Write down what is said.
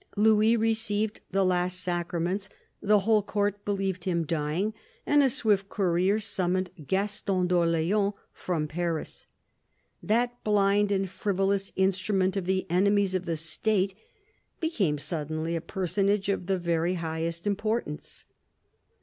Louis received the last Sacraments, the whole Court believed him dying, and a swift courier summoned Gaston d'0rl6ans from Paris. That " blind and frivolous instrument of the enemies of the State " became suddenly a personage of the very highest importance.